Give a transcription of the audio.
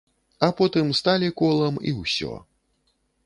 А потым сталі колам і ўсё.